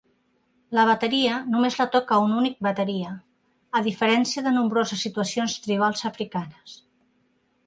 La bateria només la toca un únic bateria, a diferència de nombroses situacions tribals africanes.